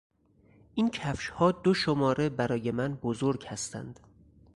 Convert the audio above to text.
این کفشها دو شماره برای من بزرگ هستند.